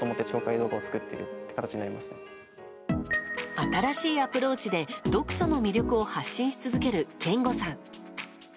新しいアプローチで読書の魅力を発信し続けるけんごさん。